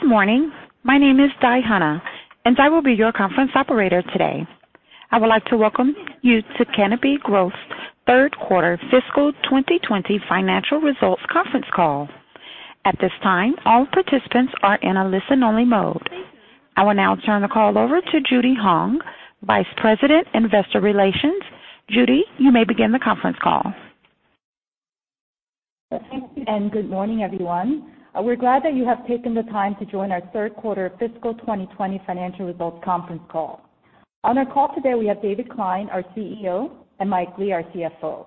Good morning. My name is Di Hannah, and I will be your conference operator today. I would like to welcome you to Canopy Growth's Third Quarter Fiscal 2020 Financial Results Conference Call. At this time, all participants are in a listen-only mode. I will now turn the call over to Judy Hong, Vice President, Investor Relations. Judy, you may begin the conference call. Thank you, good morning, everyone. We're glad that you have taken the time to join our Third Quarter Fiscal 2020 Financial Results Conference Call. On our call today, we have David Klein, our CEO, and Mike Lee, our CFO.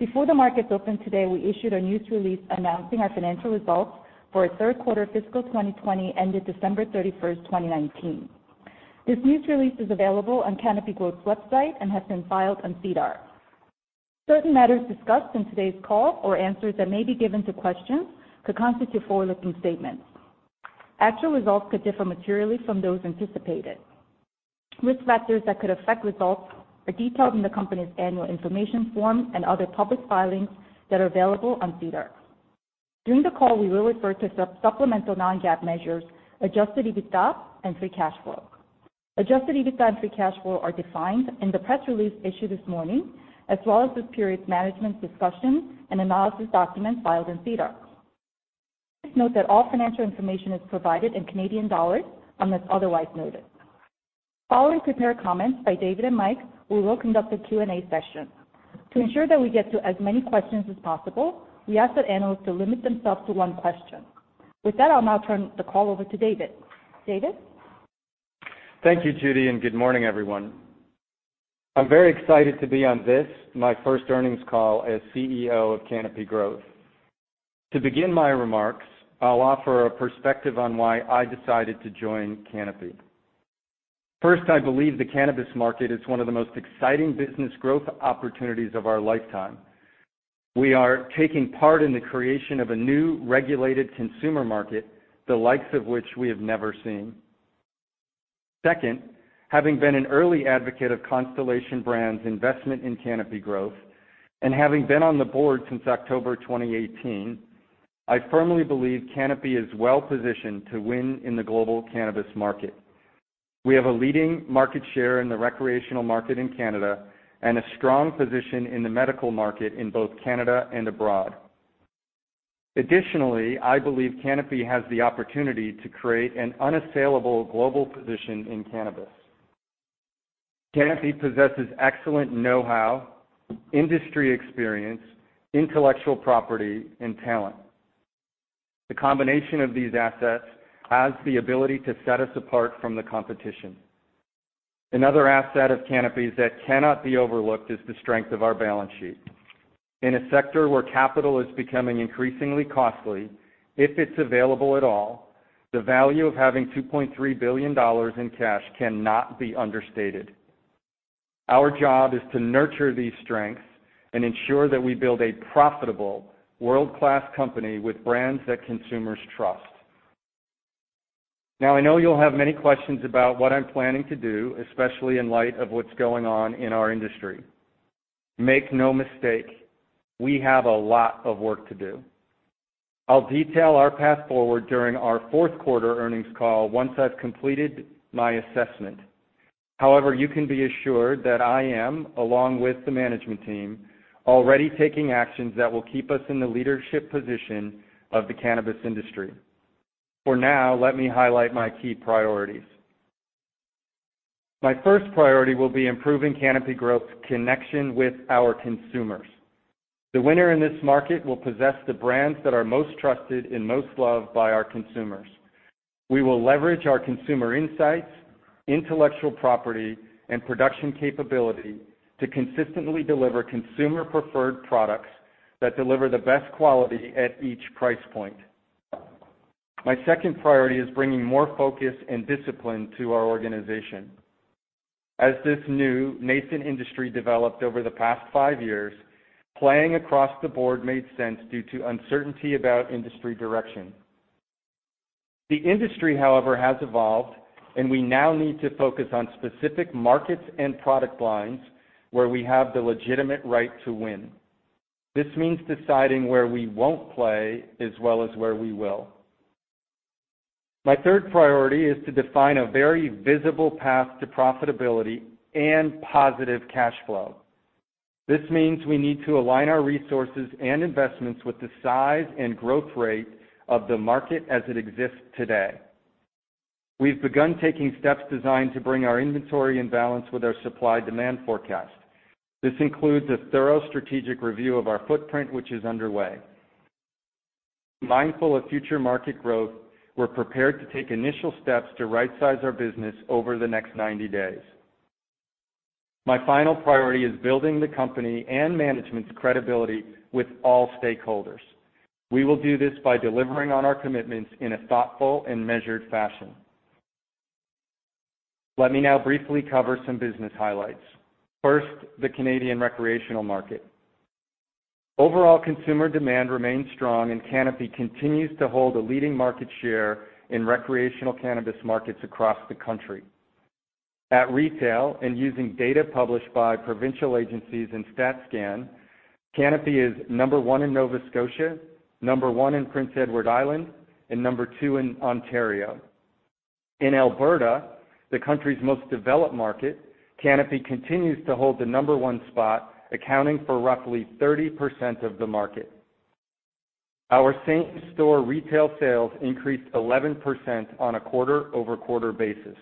Before the markets opened today, we issued a news release announcing our financial results for our third quarter fiscal 2020, ended December 31st, 2019. This news release is available on Canopy Growth's website and has been filed on SEDAR. Certain matters discussed in today's call or answers that may be given to questions could constitute forward-looking statements. Actual results could differ materially from those anticipated. Risk factors that could affect results are detailed in the company's annual information form and other public filings that are available on SEDAR. During the call, we will refer to supplemental non-GAAP measures, adjusted EBITDA and free cash flow. Adjusted EBITDA and free cash flow are defined in the press release issued this morning, as well as this period's management discussion and analysis documents filed in SEDAR. Please note that all financial information is provided in Canadian dollars unless otherwise noted. Following prepared comments by David and Mike, we will conduct a Q&A session. To ensure that we get to as many questions as possible, we ask that analysts limit themselves to one question. With that, I'll now turn the call over to David. David? Thank you, Judy. Good morning, everyone. I'm very excited to be on this, my first earnings call as CEO of Canopy Growth. To begin my remarks, I'll offer a perspective on why I decided to join Canopy. First, I believe the cannabis market is one of the most exciting business growth opportunities of our lifetime. We are taking part in the creation of a new regulated consumer market, the likes of which we have never seen. Second, having been an early advocate of Constellation Brands investment in Canopy Growth and having been on the board since October 2018, I firmly believe Canopy is well-positioned to win in the global cannabis market. We have a leading market share in the recreational market in Canada and a strong position in the medical market in both Canada and abroad. Additionally, I believe Canopy has the opportunity to create an unassailable global position in cannabis. Canopy possesses excellent know-how, industry experience, intellectual property, and talent. The combination of these assets has the ability to set us apart from the competition. Another asset of Canopy's that cannot be overlooked is the strength of our balance sheet. In a sector where capital is becoming increasingly costly, if it's available at all, the value of having $2.3 billion in cash cannot be understated. Our job is to nurture these strengths and ensure that we build a profitable world-class company with brands that consumers trust. Now, I know you'll have many questions about what I'm planning to do, especially in light of what's going on in our industry. Make no mistake, we have a lot of work to do. I'll detail our path forward during our fourth quarter earnings call once I've completed my assessment. However, you can be assured that I am, along with the management team, already taking actions that will keep us in the leadership position of the cannabis industry. For now, let me highlight my key priorities. My first priority will be improving Canopy Growth's connection with our consumers. The winner in this market will possess the brands that are most trusted and most loved by our consumers. We will leverage our consumer insights, intellectual property, and production capability to consistently deliver consumer-preferred products that deliver the best quality at each price point. My second priority is bringing more focus and discipline to our organization. As this new nascent industry developed over the past five years, playing across the board made sense due to uncertainty about industry direction. The industry, however, has evolved. We now need to focus on specific markets and product lines where we have the legitimate right to win. This means deciding where we won't play as well as where we will. My third priority is to define a very visible path to profitability and positive cash flow. This means we need to align our resources and investments with the size and growth rate of the market as it exists today. We've begun taking steps designed to bring our inventory in balance with our supply-demand forecast. This includes a thorough strategic review of our footprint, which is underway. Mindful of future market growth, we're prepared to take initial steps to rightsize our business over the next 90 days. My final priority is building the company and management's credibility with all stakeholders. We will do this by delivering on our commitments in a thoughtful and measured fashion. Let me now briefly cover some business highlights. First, the Canadian recreational market. Overall consumer demand remains strong. Canopy continues to hold a leading market share in recreational cannabis markets across the country. At retail and using data published by provincial agencies and StatsCan, Canopy is number one in Nova Scotia, number one in Prince Edward Island, and number two in Ontario. In Alberta, the country's most developed market, Canopy continues to hold the number one spot, accounting for roughly 30% of the market. Our same-store retail sales increased 11% on a quarter-over-quarter basis.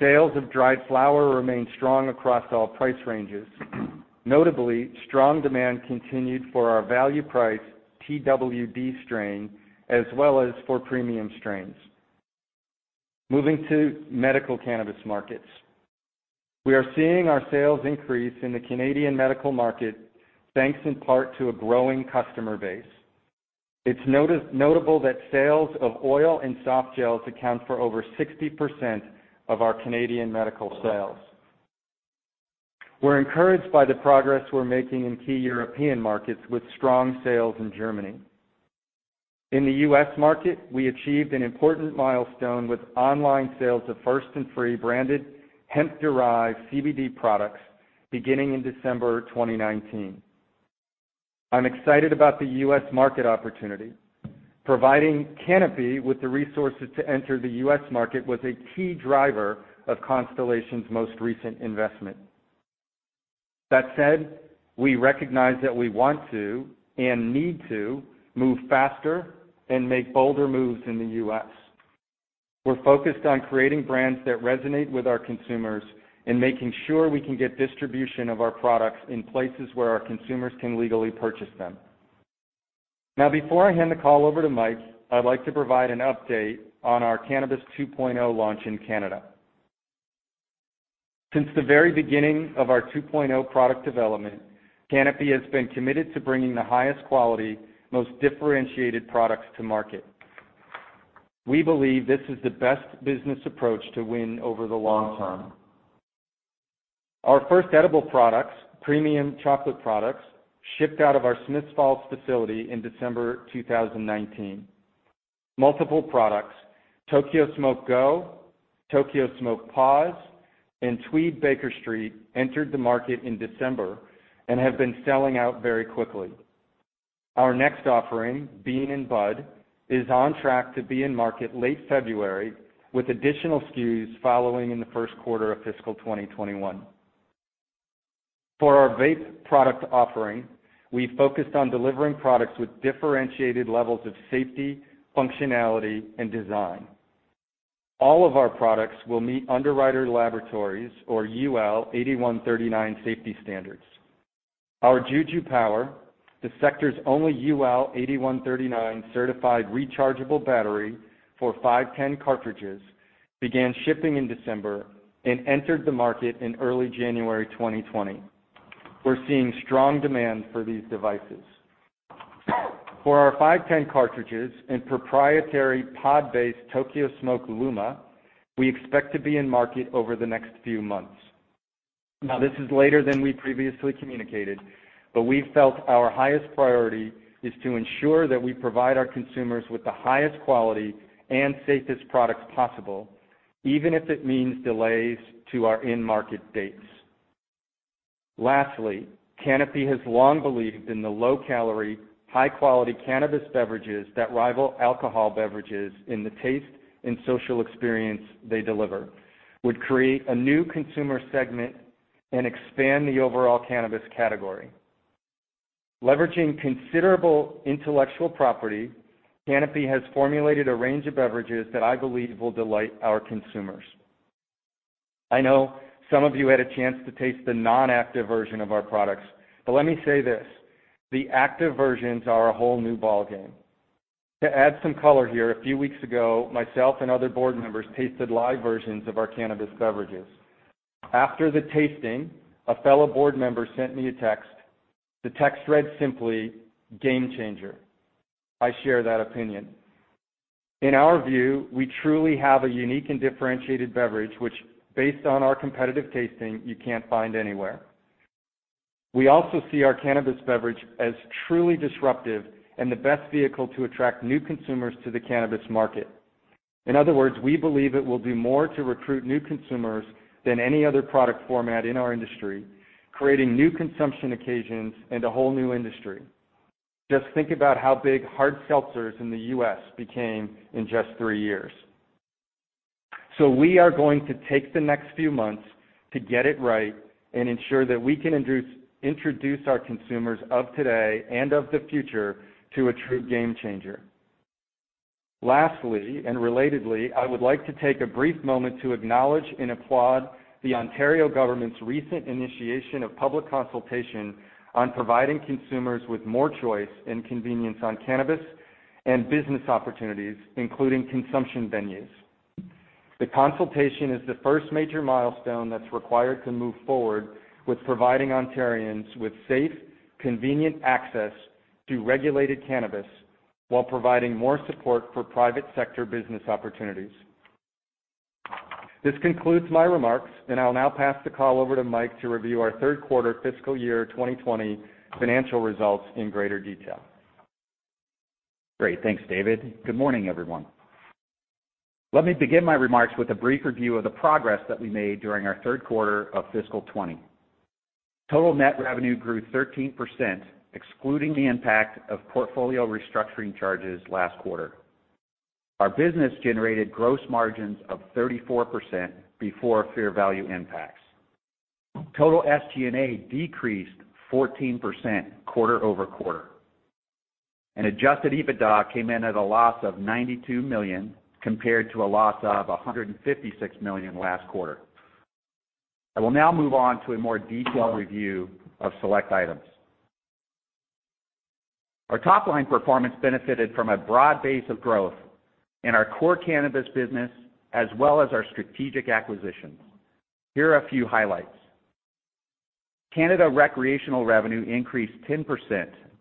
Sales of dried flower remain strong across all price ranges. Notably, strong demand continued for our value price TWD, as well as for premium strains. Moving to medical cannabis markets. We are seeing our sales increase in the Canadian medical market, thanks in part to a growing customer base. It's notable that sales of oil and soft gels account for over 60% of our Canadian medical sales. We're encouraged by the progress we're making in key European markets with strong sales in Germany. In the U.S. market, we achieved an important milestone with online sales of First & Free branded hemp-derived CBD products beginning in December 2019. I'm excited about the U.S. market opportunity. Providing Canopy with the resources to enter the U.S. market was a key driver of Constellation's most recent investment. That said, we recognize that we want to and need to move faster and make bolder moves in the U.S. We're focused on creating brands that resonate with our consumers and making sure we can get distribution of our products in places where our consumers can legally purchase them. Before I hand the call over to Mike, I'd like to provide an update on our Cannabis 2.0 launch in Canada. Since the very beginning of our 2.0 product development, Canopy has been committed to bringing the highest quality, most differentiated products to market. We believe this is the best business approach to win over the long term. Our first edible products, premium chocolate products, shipped out of our Smiths Falls facility in December 2019. Multiple products, Tokyo Smoke Go, Tokyo Smoke Pause, and Tweed Bakerstreet, entered the market in December and have been selling out very quickly. Our next offering, Bean & Bud, is on track to be in market late February with additional SKUs following in the first quarter of fiscal 2021. For our vape product offering, we focused on delivering products with differentiated levels of safety, functionality, and design. All of our products will meet Underwriters Laboratories, or UL 8139 safety standards. Our JUJU Power, the sector's only UL 8139 certified rechargeable battery for 510 cartridges, began shipping in December and entered the market in early January 2020. We're seeing strong demand for these devices. For our 510 cartridges and proprietary pod-based Tokyo Smoke Luma, we expect to be in market over the next few months. This is later than we previously communicated, but we felt our highest priority is to ensure that we provide our consumers with the highest quality and safest products possible, even if it means delays to our in-market dates. Lastly, Canopy has long believed in the low-calorie, high-quality cannabis beverages that rival alcohol beverages in the taste and social experience they deliver would create a new consumer segment and expand the overall cannabis category. Leveraging considerable intellectual property, Canopy has formulated a range of beverages that I believe will delight our consumers. I know some of you had a chance to taste the non-active version of our products, but let me say this, the active versions are a whole new ballgame. To add some color here, a few weeks ago, myself and other board members tasted live versions of our cannabis beverages. After the tasting, a fellow board member sent me a text. The text read simply, "Game changer." I share that opinion. In our view, we truly have a unique and differentiated beverage, which based on our competitive tasting, you can't find anywhere. We also see our cannabis beverage as truly disruptive and the best vehicle to attract new consumers to the cannabis market. In other words, we believe it will do more to recruit new consumers than any other product format in our industry, creating new consumption occasions and a whole new industry. Just think about how big hard seltzers in the U.S. became in just three years. We are going to take the next few months to get it right and ensure that we can introduce our consumers of today and of the future to a true game changer. Lastly and relatedly, I would like to take a brief moment to acknowledge and applaud the Ontario government's recent initiation of public consultation on providing consumers with more choice and convenience on cannabis and business opportunities, including consumption venues. The consultation is the first major milestone that's required to move forward with providing Ontarians with safe, convenient access to regulated cannabis while providing more support for private sector business opportunities. This concludes my remarks, and I'll now pass the call over to Mike to review our third quarter fiscal year 2020 financial results in greater detail. Great. Thanks, David. Good morning, everyone. Let me begin my remarks with a brief review of the progress that we made during our third quarter of fiscal 2020. Total net revenue grew 13%, excluding the impact of portfolio restructuring charges last quarter. Our business generated gross margins of 34% before fair value impacts. Total SG&A decreased 14% quarter-over-quarter. Adjusted EBITDA came in at a loss of 92 million, compared to a loss of 156 million last quarter. I will now move on to a more detailed review of select items. Our top-line performance benefited from a broad base of growth in our core cannabis business, as well as our strategic acquisitions. Here are a few highlights. Canada recreational revenue increased 10%,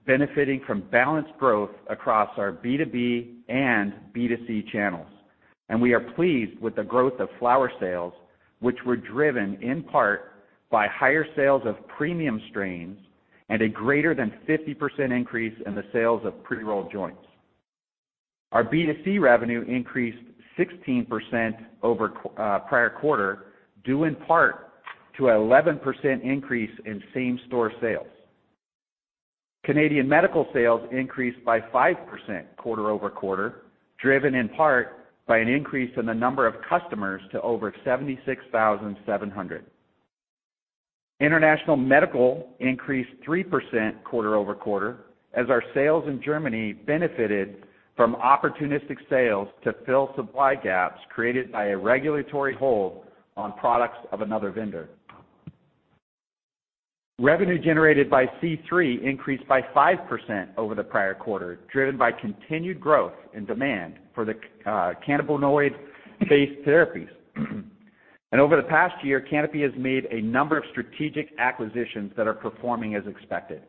benefiting from balanced growth across our B2B and B2C channels, and we are pleased with the growth of flower sales, which were driven in part by higher sales of premium strains and a greater than 50% increase in the sales of pre-rolled joints. Our B2C revenue increased 16% over prior quarter, due in part to an 11% increase in same-store sales. Canadian medical sales increased by 5% quarter-over-quarter, driven in part by an increase in the number of customers to over 76,700. International medical increased 3% quarter-over-quarter as our sales in Germany benefited from opportunistic sales to fill supply gaps created by a regulatory hold on products of another vendor. Revenue generated by C3 increased by 5% over the prior quarter, driven by continued growth in demand for the cannabinoid-based therapies. Over the past year, Canopy has made a number of strategic acquisitions that are performing as expected.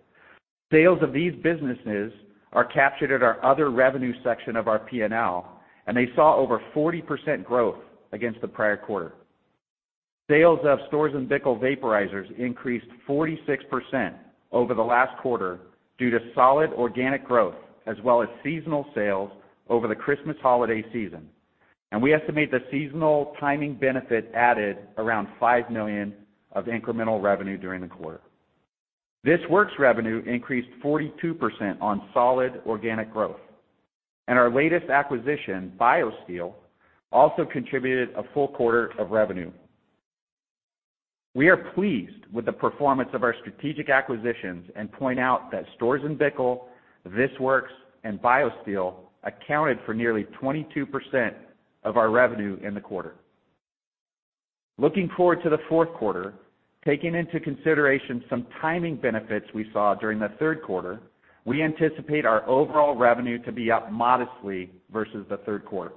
Sales of these businesses are captured at our other revenue section of our P&L, and they saw over 40% growth against the prior quarter. Sales of Storz & Bickel vaporizers increased 46% over the last quarter due to solid organic growth, as well as seasonal sales over the Christmas holiday season. We estimate the seasonal timing benefit added around 5 million of incremental revenue during the quarter. This Works revenue increased 42% on solid organic growth. Our latest acquisition, BioSteel, also contributed a full quarter of revenue. We are pleased with the performance of our strategic acquisitions and point out that Storz & Bickel, This Works, and BioSteel accounted for nearly 22% of our revenue in the quarter. Looking forward to the fourth quarter, taking into consideration some timing benefits we saw during the third quarter, we anticipate our overall revenue to be up modestly versus the third quarter.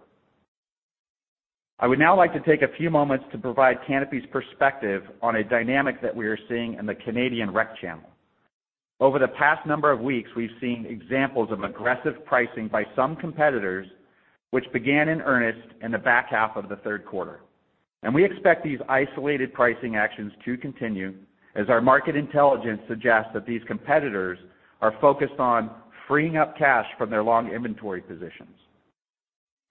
I would now like to take a few moments to provide Canopy's perspective on a dynamic that we are seeing in the Canadian rec channel. Over the past number of weeks, we've seen examples of aggressive pricing by some competitors, which began in earnest in the back half of the third quarter. We expect these isolated pricing actions to continue as our market intelligence suggests that these competitors are focused on freeing up cash from their long inventory positions.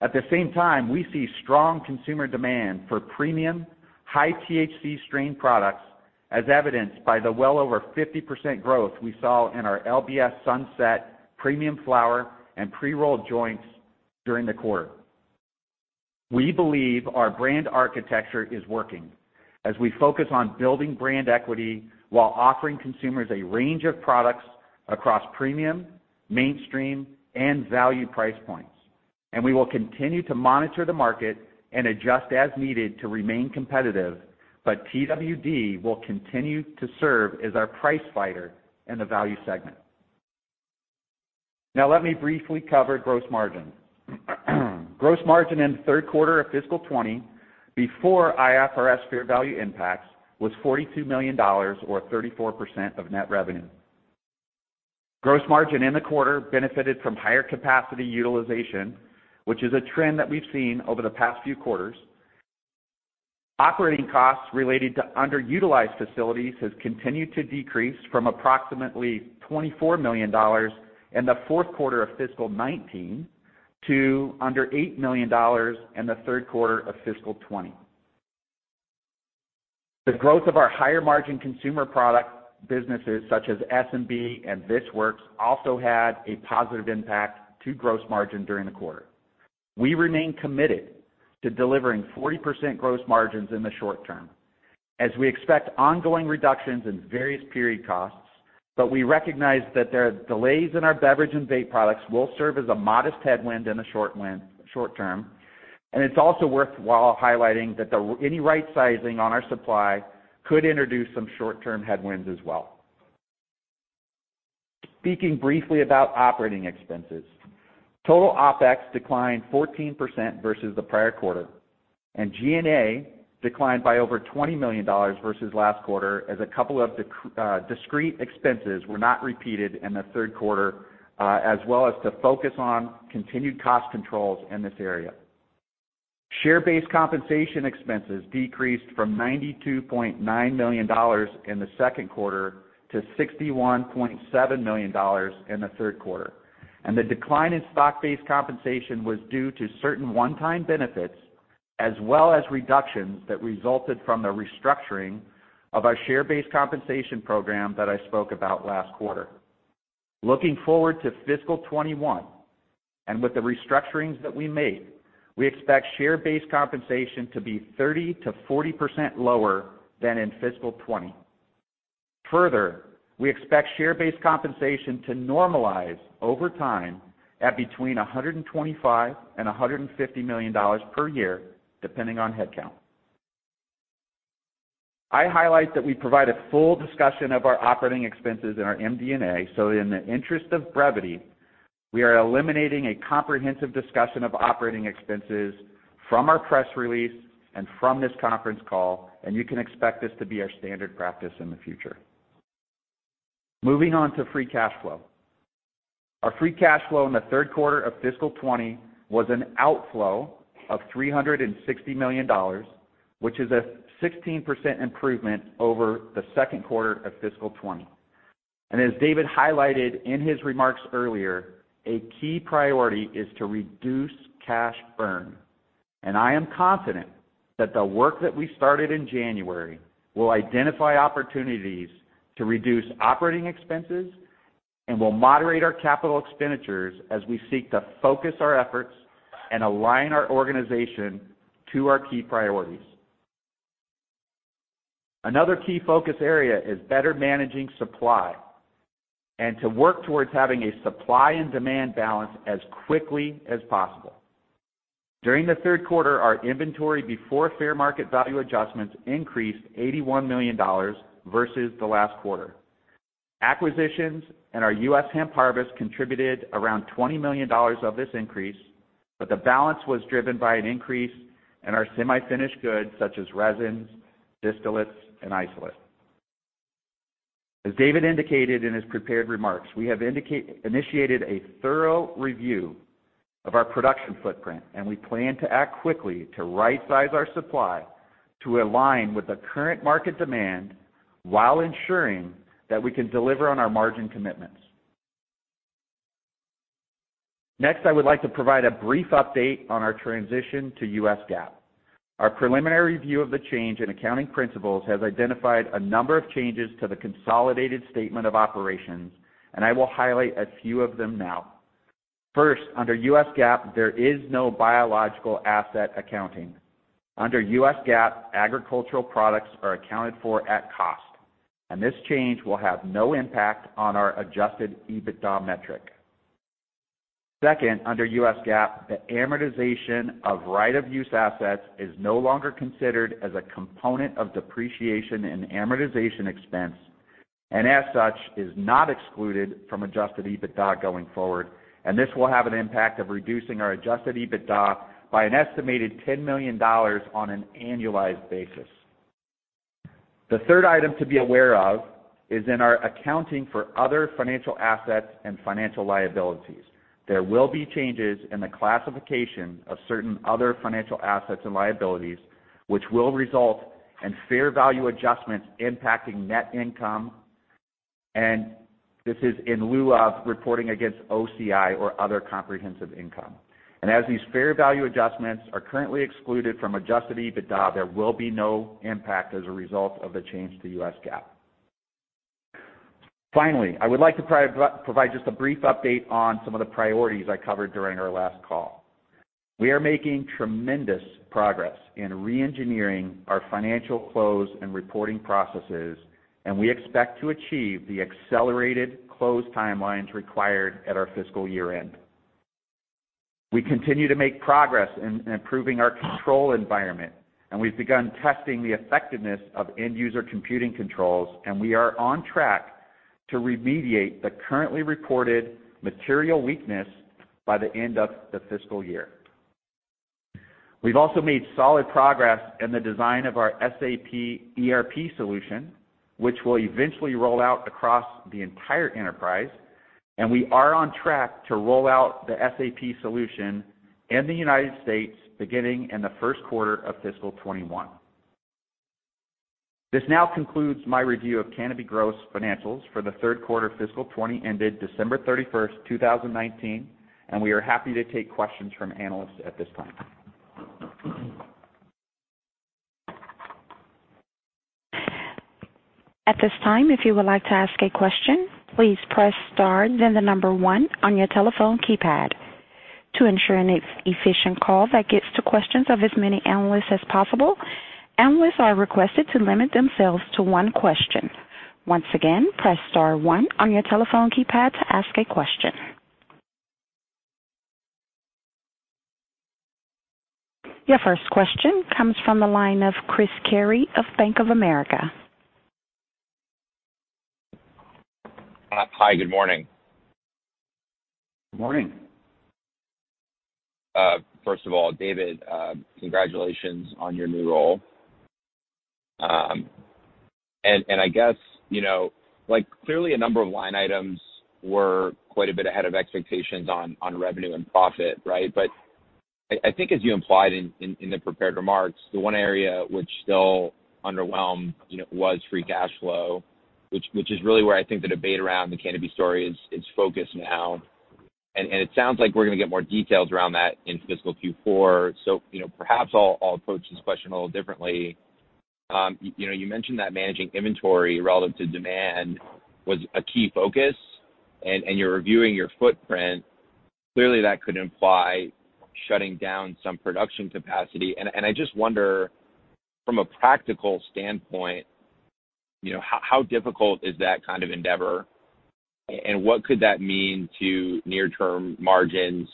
At the same time, we see strong consumer demand for premium, high-THC strain products, as evidenced by the well over 50% growth we saw in our LBS Sunset premium flower and pre-rolled joints during the quarter. We believe our brand architecture is working as we focus on building brand equity while offering consumers a range of products across premium, mainstream, and value price points. We will continue to monitor the market and adjust as needed to remain competitive, but TWD will continue to serve as our price fighter in the value segment. Let me briefly cover gross margin. Gross margin in the third quarter of fiscal 2020, before IFRS fair value impacts, was 42 million dollars, or 34% of net revenue. Gross margin in the quarter benefited from higher capacity utilization, which is a trend that we've seen over the past few quarters. Operating costs related to underutilized facilities has continued to decrease from approximately 24 million dollars in the fourth quarter of fiscal 2019 to under 8 million dollars in the third quarter of fiscal 2020. The growth of our higher-margin consumer product businesses, such as S&B and This Works, also had a positive impact to gross margin during the quarter. We remain committed to delivering 40% gross margins in the short term as we expect ongoing reductions in various period costs, but we recognize that the delays in our beverage and vape products will serve as a modest headwind in the short term. It's also worthwhile highlighting that any right sizing on our supply could introduce some short-term headwinds as well. Speaking briefly about operating expenses. Total OpEx declined 14% versus the prior quarter, and G&A declined by over 20 million dollars versus last quarter as a couple of discrete expenses were not repeated in the third quarter, as well as the focus on continued cost controls in this area. Share-based compensation expenses decreased from 92.9 million dollars in the second quarter to 61.7 million dollars in the third quarter. The decline in stock-based compensation was due to certain one-time benefits, as well as reductions that resulted from the restructuring of our share-based compensation program that I spoke about last quarter. Looking forward to fiscal 2021, and with the restructurings that we made, we expect share-based compensation to be 30%-40% lower than in fiscal 2020. Further, we expect share-based compensation to normalize over time at between 125 million and 150 million dollars per year, depending on headcount. I highlight that we provide a full discussion of our operating expenses in our MD&A, in the interest of brevity, we are eliminating a comprehensive discussion of operating expenses from our press release and from this conference call. You can expect this to be our standard practice in the future. Moving on to free cash flow. Our free cash flow in the third quarter of fiscal 2020 was an outflow of 360 million dollars, which is a 16% improvement over the second quarter of fiscal 2020. As David highlighted in his remarks earlier, a key priority is to reduce cash burn, and I am confident that the work that we started in January will identify opportunities to reduce operating expenses and will moderate our CapEx as we seek to focus our efforts and align our organization to our key priorities. Another key focus area is better managing supply and to work towards having a supply and demand balance as quickly as possible. During the third quarter, our inventory before fair market value adjustments increased 81 million dollars versus the last quarter. Acquisitions and our U.S. hemp harvest contributed around 20 million dollars of this increase. The balance was driven by an increase in our semi-finished goods such as resins, distillates, and isolates. As David indicated in his prepared remarks, we have initiated a thorough review of our production footprint. We plan to act quickly to rightsize our supply to align with the current market demand while ensuring that we can deliver on our margin commitments. Next, I would like to provide a brief update on our transition to U.S. GAAP. Our preliminary review of the change in accounting principles has identified a number of changes to the consolidated statement of operations. I will highlight a few of them now. First, under U.S. GAAP, there is no biological asset accounting. Under U.S. GAAP, agricultural products are accounted for at cost. This change will have no impact on our adjusted EBITDA metric. Second, under U.S. GAAP, the amortization of right-of-use assets is no longer considered as a component of depreciation and amortization expense. As such, is not excluded from adjusted EBITDA going forward. This will have an impact of reducing our adjusted EBITDA by an estimated $10 million on an annualized basis. The third item to be aware of is in our accounting for other financial assets and financial liabilities. There will be changes in the classification of certain other financial assets and liabilities, which will result in fair value adjustments impacting net income. This is in lieu of reporting against OCI or other comprehensive income. As these fair value adjustments are currently excluded from adjusted EBITDA, there will be no impact as a result of the change to U.S. GAAP. Finally, I would like to provide just a brief update on some of the priorities I covered during our last call. We are making tremendous progress in re-engineering our financial close and reporting processes, and we expect to achieve the accelerated close timelines required at our fiscal year-end. We continue to make progress in improving our control environment, and we've begun testing the effectiveness of end-user computing controls, and we are on track to remediate the currently reported material weakness by the end of the fiscal year. We've also made solid progress in the design of our SAP ERP solution, which will eventually roll out across the entire enterprise, and we are on track to roll out the SAP solution in the United States beginning in the first quarter of fiscal 2021. This now concludes my review of Canopy Growth's financials for the third quarter fiscal 2020 ended December 31st, 2019, and we are happy to take questions from analysts at this time. At this time, if you would like to ask a question, please press star then the number one on your telephone keypad. To ensure an efficient call that gets to questions of as many analysts as possible, analysts are requested to limit themselves to one question. Once again, press star one on your telephone keypad to ask a question. Your first question comes from the line of Chris Carey of Bank of America. Hi. Good morning. Good morning. First of all, David, congratulations on your new role. I guess, clearly a number of line items were quite a bit ahead of expectations on revenue and profit, right? I think as you implied in the prepared remarks, the one area which still underwhelmed was free cash flow, which is really where I think the debate around the Canopy story is focused now. It sounds like we're going to get more details around that in fiscal Q4. Perhaps I'll approach this question a little differently. You mentioned that managing inventory relative to demand was a key focus, and you're reviewing your footprint. Clearly, that could imply shutting down some production capacity. I just wonder from a practical standpoint, how difficult is that kind of endeavor, and what could that mean to near-term margins,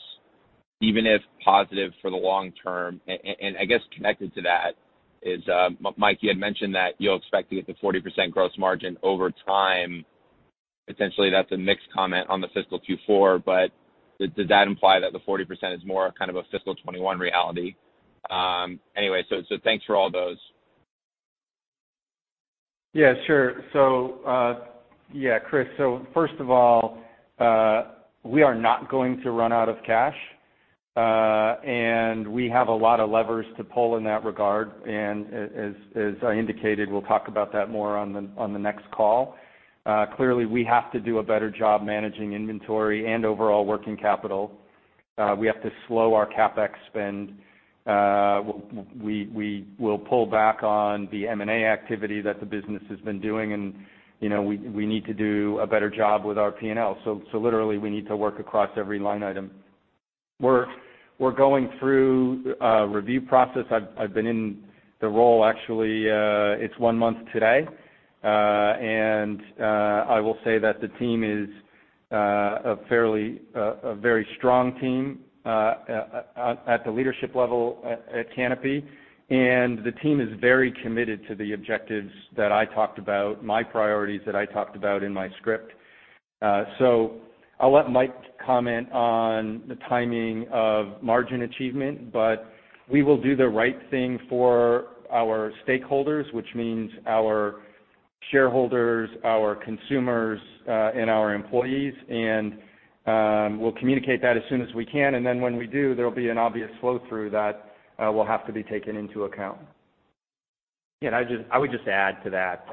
even if positive for the long term? I guess connected to that is, Mike, you had mentioned that you're expecting it to 40% gross margin over time. Potentially, that's a mixed comment on the fiscal Q4, but does that imply that the 40% is more a fiscal 2021 reality? Anyway, thanks for all those. Yeah, sure. Chris, first of all, we are not going to run out of cash. We have a lot of levers to pull in that regard, and as I indicated, we'll talk about that more on the next call. Clearly, we have to do a better job managing inventory and overall working capital. We have to slow our CapEx spend. We will pull back on the M&A activity that the business has been doing, and we need to do a better job with our P&L. Literally, we need to work across every line item. We're going through a review process. I've been in the role, actually, it's one month today. I will say that the team is a very strong team at the leadership level at Canopy Growth, and the team is very committed to the objectives that I talked about, my priorities that I talked about in my script. I'll let Mike Lee comment on the timing of margin achievement, but we will do the right thing for our stakeholders, which means our shareholders, our consumers, and our employees. We'll communicate that as soon as we can, and then when we do, there will be an obvious flow-through that will have to be taken into account. Yeah, I would just add to that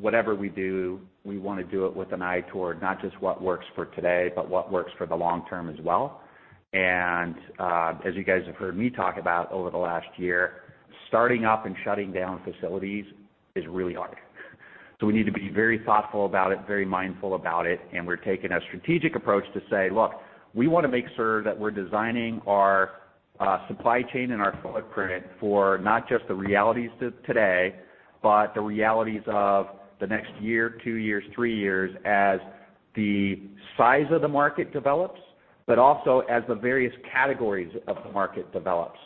whatever we do, we want to do it with an eye toward not just what works for today, but what works for the long term as well. As you guys have heard me talk about over the last year, starting up and shutting down facilities is really hard. We need to be very thoughtful about it, very mindful about it, and we're taking a strategic approach to say, "Look, we want to make sure that we're designing our supply chain and our footprint for not just the realities of today, but the realities of the next year, two years, three years as the size of the market develops, but also as the various categories of the market develops."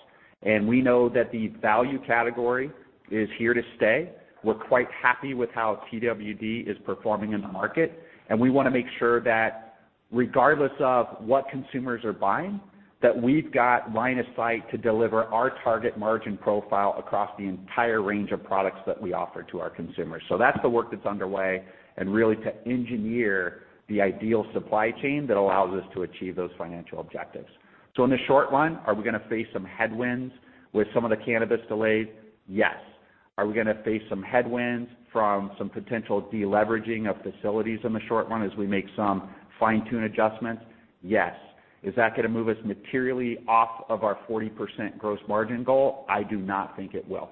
We know that the value category is here to stay. We're quite happy with how TWD is performing in the market, and we want to make sure that regardless of what consumers are buying, that we've got line of sight to deliver our target margin profile across the entire range of products that we offer to our consumers. That's the work that's underway and really to engineer the ideal supply chain that allows us to achieve those financial objectives. In the short run, are we going to face some headwinds with some of the cannabis delays? Yes. Are we going to face some headwinds from some potential deleveraging of facilities in the short run as we make some fine-tune adjustments? Yes. Is that going to move us materially off of our 40% gross margin goal? I do not think it will.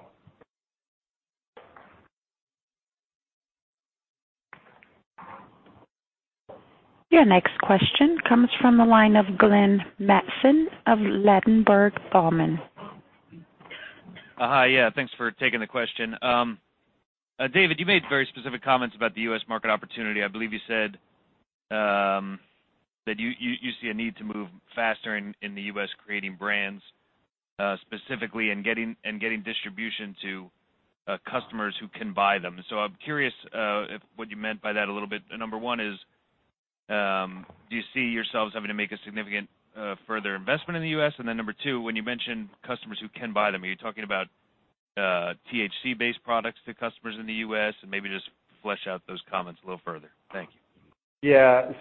Your next question comes from the line of Glenn Matson of Ladenburg Thalmann. Hi. Yeah, thanks for taking the question. David, you made very specific comments about the U.S. market opportunity. I believe you said that you see a need to move faster in the U.S., creating brands specifically and getting distribution to customers who can buy them. I'm curious what you meant by that a little bit. Number one is, do you see yourselves having to make a significant further investment in the U.S.? Number two, when you mention customers who can buy them, are you talking about THC-based products to customers in the U.S.? Maybe just flesh out those comments a little further. Thank you. Yeah.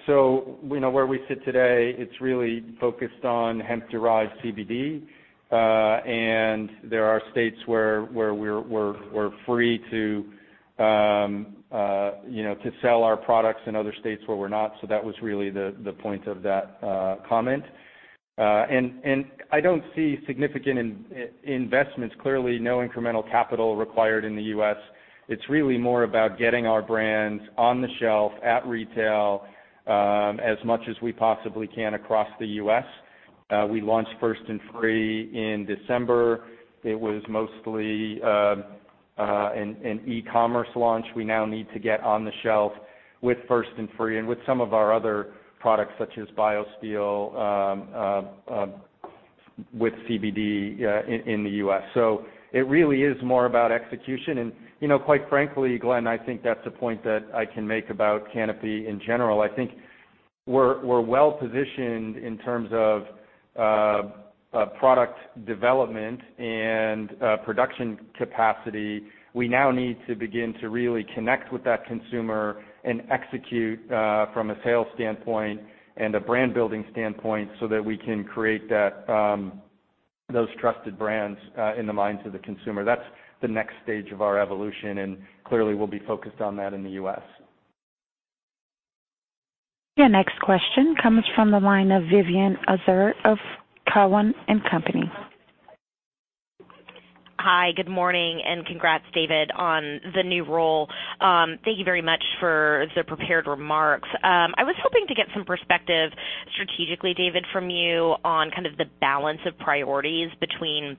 Where we sit today, it's really focused on hemp-derived CBD. There are states where we're free to sell our products and other states where we're not, so that was really the point of that comment. I don't see significant investments. Clearly, no incremental capital required in the U.S. It's really more about getting our brands on the shelf at retail as much as we possibly can across the U.S. We launched First & Free in December. It was mostly an e-commerce launch. We now need to get on the shelf with First & Free and with some of our other products, such as BioSteel, with CBD in the U.S. It really is more about execution. Quite frankly, Glenn, I think that's the point that I can make about Canopy in general. I think We're well-positioned in terms of product development and production capacity. We now need to begin to really connect with that consumer and execute from a sales standpoint and a brand-building standpoint so that we can create those trusted brands in the minds of the consumer. That's the next stage of our evolution, and clearly, we'll be focused on that in the U.S. Your next question comes from the line of Vivien Azer of Cowen and Company. Hi, good morning, and congrats, David, on the new role. Thank you very much for the prepared remarks. I was hoping to get some perspective strategically, David, from you on kind of the balance of priorities between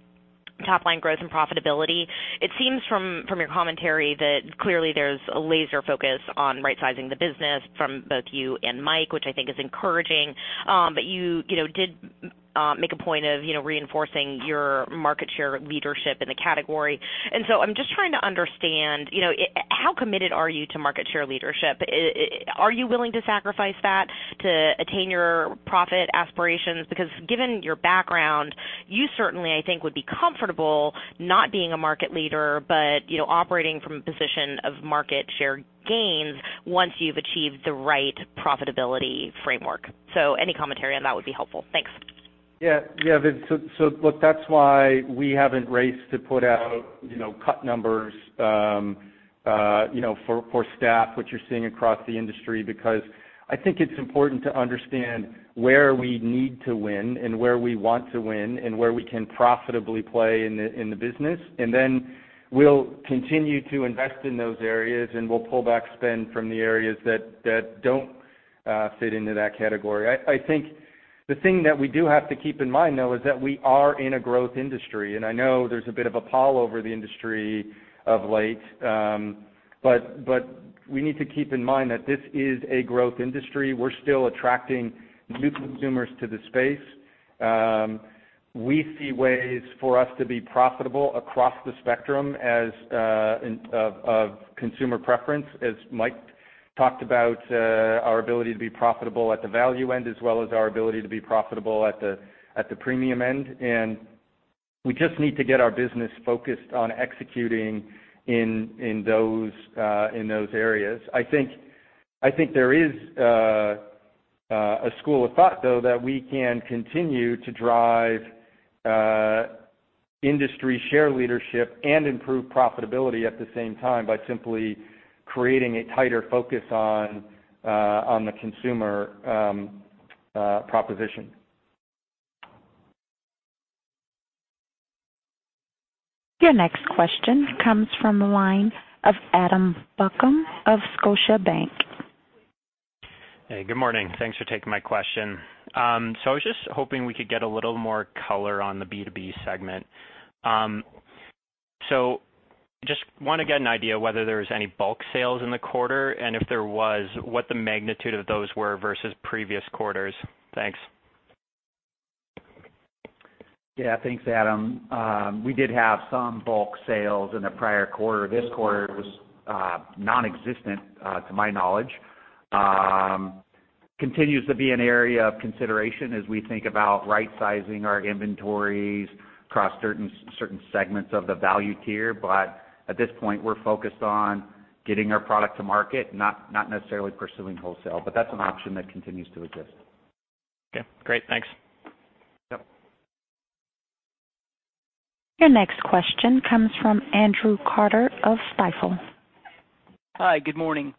top-line growth and profitability. It seems from your commentary that clearly there's a laser focus on right-sizing the business from both you and Mike, which I think is encouraging. You did make a point of reinforcing your market share leadership in the category. I'm just trying to understand, how committed are you to market share leadership? Are you willing to sacrifice that to attain your profit aspirations? Given your background, you certainly, I think, would be comfortable not being a market leader, but operating from a position of market share gains once you've achieved the right profitability framework. Any commentary on that would be helpful. Thanks. Yeah, Viv. Look, that's why we haven't raced to put out cut numbers for staff, which you're seeing across the industry, because I think it's important to understand where we need to win and where we want to win, and where we can profitably play in the business. Then we'll continue to invest in those areas, and we'll pull back spend from the areas that don't fit into that category. I think the thing that we do have to keep in mind, though, is that we are in a growth industry, and I know there's a bit of a pall over the industry of late. We need to keep in mind that this is a growth industry. We're still attracting new consumers to the space. We see ways for us to be profitable across the spectrum as of consumer preference, as Mike talked about our ability to be profitable at the value end, as well as our ability to be profitable at the premium end. We just need to get our business focused on executing in those areas. I think there is a school of thought, though, that we can continue to drive industry share leadership and improve profitability at the same time by simply creating a tighter focus on the consumer proposition. Your next question comes from the line of Adam Buckham of Scotiabank. Hey, good morning. Thanks for taking my question. I was just hoping we could get a little more color on the B2B segment. Just want to get an idea whether there was any bulk sales in the quarter, and if there was, what the magnitude of those were versus previous quarters. Thanks. Yeah. Thanks, Adam. We did have some bulk sales in the prior quarter. This quarter it was nonexistent, to my knowledge. Continues to be an area of consideration as we think about right-sizing our inventories across certain segments of the value tier. At this point, we're focused on getting our product to market, not necessarily pursuing wholesale, but that's an option that continues to exist. Okay, great. Thanks. Yep. Your next question comes from Andrew Carter of Stifel. Hi. Good morning.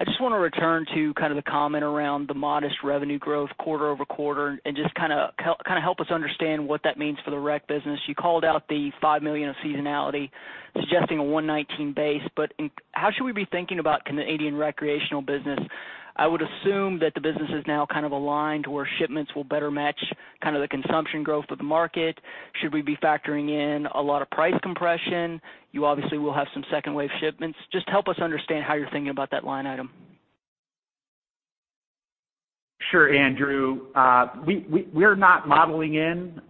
I just want to return to kind of the comment around the modest revenue growth quarter-over-quarter and just kind of help us understand what that means for the rec business. You called out the 5 million of seasonality suggesting a 119 base, how should we be thinking about Canadian recreational business? I would assume that the business is now kind of aligned where shipments will better match kind of the consumption growth of the market. Should we be factoring in a lot of price compression? You obviously will have some second wave shipments. Just help us understand how you're thinking about that line item. Sure, Andrew. We're not modeling in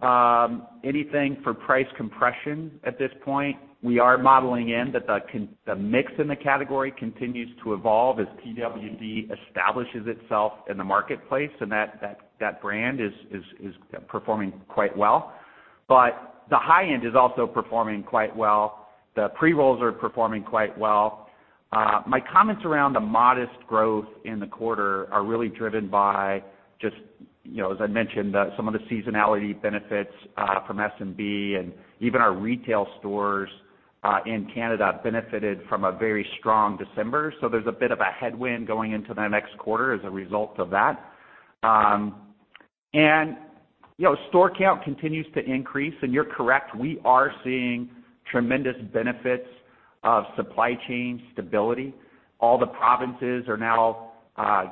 anything for price compression at this point. We are modeling in that the mix in the category continues to evolve as TWD establishes itself in the marketplace, and that brand is performing quite well. The high end is also performing quite well. The pre-rolls are performing quite well. My comments around the modest growth in the quarter are really driven by just, as I mentioned, some of the seasonality benefits from S&B and even our retail stores in Canada benefited from a very strong December. There's a bit of a headwind going into the next quarter as a result of that. Store count continues to increase, and you're correct, we are seeing tremendous benefits of supply chain stability. All the provinces are now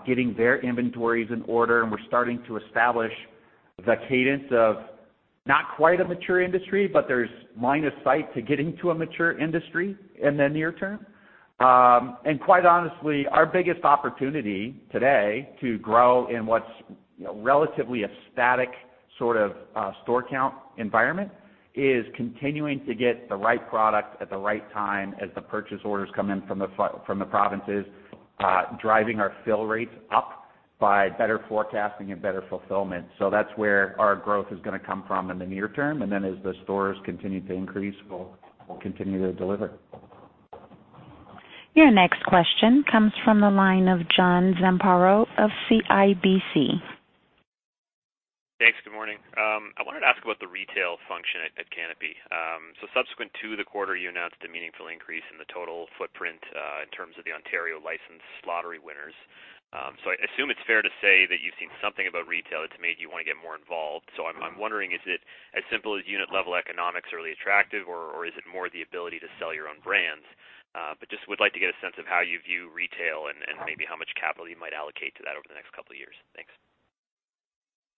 getting their inventories in order, and we're starting to establish the cadence of not quite a mature industry, but there's line of sight to getting to a mature industry in the near term. Quite honestly, our biggest opportunity today to grow in what's. Relatively a static sort of store count environment is continuing to get the right product at the right time as the purchase orders come in from the provinces, driving our fill rates up by better forecasting and better fulfillment. That's where our growth is going to come from in the near term, and then as the stores continue to increase, we'll continue to deliver. Your next question comes from the line of John Zamparo of CIBC. Thanks. Good morning. I wanted to ask about the retail function at Canopy. Subsequent to the quarter, you announced a meaningful increase in the total footprint, in terms of the Ontario license lottery winners. I assume it's fair to say that you've seen something about retail that's made you want to get more involved. I'm wondering, is it as simple as unit level economics really attractive, or is it more the ability to sell your own brands? Just would like to get a sense of how you view retail and maybe how much capital you might allocate to that over the next couple of years. Thanks.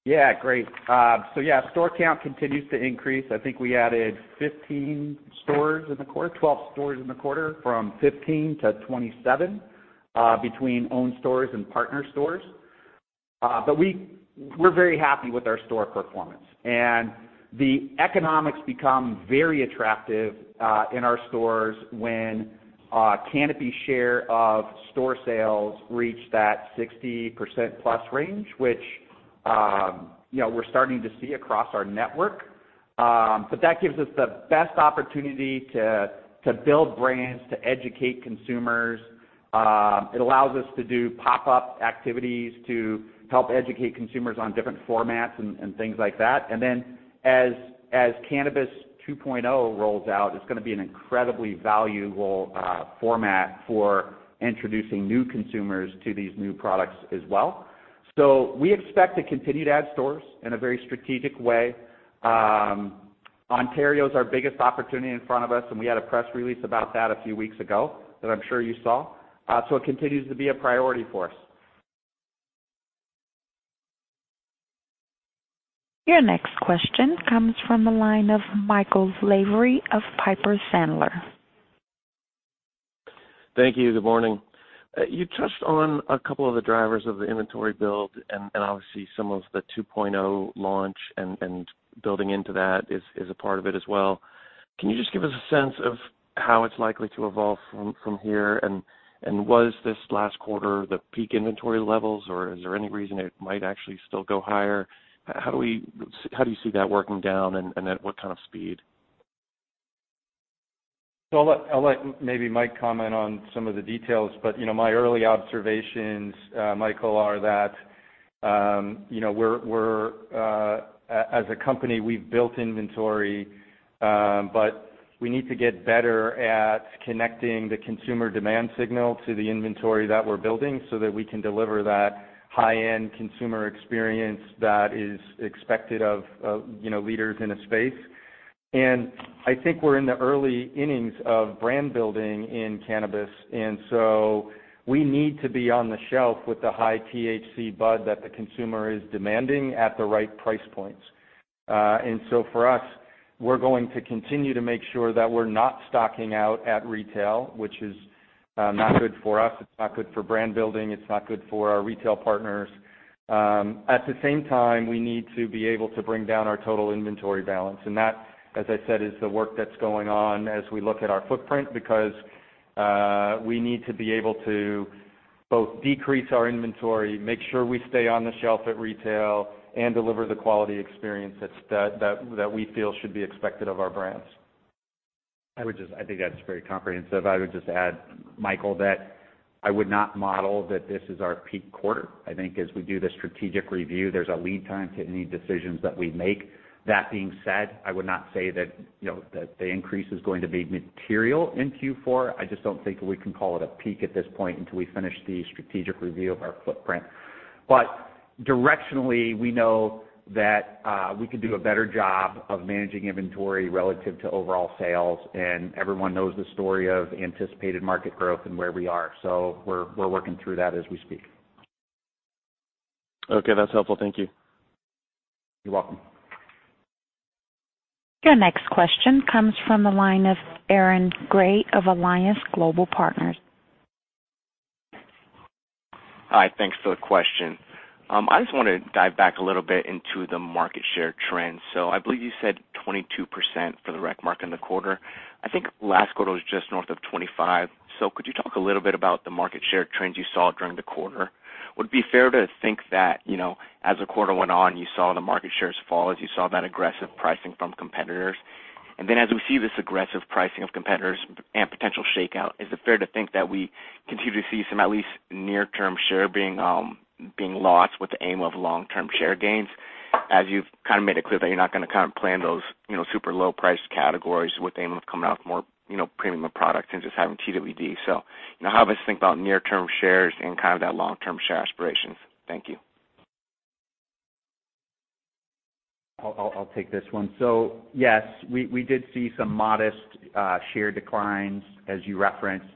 Yeah. Great. Yeah, store count continues to increase. I think we added 15 stores in the quarter, 12 stores in the quarter from 15 to 27, between owned stores and partner stores. We're very happy with our store performance. The economics become very attractive in our stores when Canopy share of store sales reach that 60% plus range, which we're starting to see across our network. That gives us the best opportunity to build brands, to educate consumers. It allows us to do pop-up activities to help educate consumers on different formats and things like that. As Cannabis 2.0 rolls out, it's going to be an incredibly valuable format for introducing new consumers to these new products as well. We expect to continue to add stores in a very strategic way. Ontario is our biggest opportunity in front of us, and we had a press release about that a few weeks ago that I'm sure you saw. It continues to be a priority for us. Your next question comes from the line of Michael Lavery of Piper Sandler. Thank you. Good morning. You touched on a couple of the drivers of the inventory build, and obviously some of the 2.0 launch and building into that is a part of it as well. Can you just give us a sense of how it's likely to evolve from here? Was this last quarter the peak inventory levels, or is there any reason it might actually still go higher? How do you see that working down and at what kind of speed? I'll let maybe Mike comment on some of the details. My early observations, Michael, are that as a company, we've built inventory, but we need to get better at connecting the consumer demand signal to the inventory that we're building so that we can deliver that high-end consumer experience that is expected of leaders in a space. I think we're in the early innings of brand building in cannabis, and so we need to be on the shelf with the high-THC bud that the consumer is demanding at the right price points. For us, we're going to continue to make sure that we're not stocking out at retail, which is not good for us, it's not good for brand building, it's not good for our retail partners. At the same time, we need to be able to bring down our total inventory balance. That, as I said, is the work that's going on as we look at our footprint, because we need to be able to both decrease our inventory, make sure we stay on the shelf at retail, and deliver the quality experience that we feel should be expected of our brands. I think that's very comprehensive. I would just add, Michael, that I would not model that this is our peak quarter. I think as we do the strategic review, there's a lead time to any decisions that we make. I would not say that the increase is going to be material in Q4. I just don't think we can call it a peak at this point until we finish the strategic review of our footprint. Directionally, we know that we could do a better job of managing inventory relative to overall sales, and everyone knows the story of anticipated market growth and where we are. We're working through that as we speak. Okay. That's helpful. Thank you. You're welcome. Your next question comes from the line of Aaron Grey of Alliance Global Partners. Hi. Thanks for the question. I just want to dive back a little bit into the market share trends. I believe you said 22% for the rec market in the quarter. I think last quarter was just north of 25%. Could you talk a little bit about the market share trends you saw during the quarter? Would it be fair to think that, as the quarter went on, you saw the market shares fall as you saw that aggressive pricing from competitors? Then as we see this aggressive pricing of competitors and potential shakeout, is it fair to think that we continue to see some, at least near-term share being lost with the aim of long-term share gains? As you've kind of made it clear that you're not going to kind of play in those super low-priced categories with the aim of coming out with more premium products and just having TWD. How do we think about near-term shares and kind of that long-term share aspirations? Thank you. I'll take this one. Yes, we did see some modest share declines as you referenced,